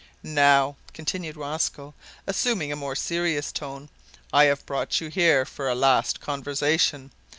"Now," continued Rosco, assuming a more serious tone, "I have brought you here for a last conversation.